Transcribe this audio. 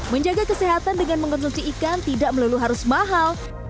menjaga kesehatan dengan mengonsumsi ikan tidak melulu harus mahal